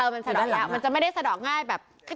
มันสะดอกแล้วมันจะไม่ได้สะดอกง่ายแบบ